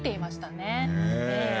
ねえ。